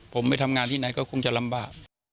ผมไปทำงานที่ไหนก็คงจะลำบาก